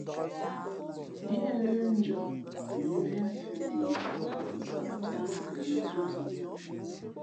Liēʼ lə̌ndʉ̄ᾱ, pʉ̌nzhwē mfʉ̌ mēnzhi nsάʼ piá nkə̌ zúzᾱ.